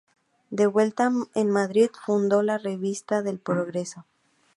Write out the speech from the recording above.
De vuelta en Madrid, fundó "La Revista del Progreso".